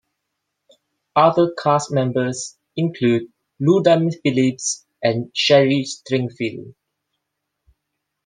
Other cast members include Lou Diamond Phillips and Sherry Stringfield.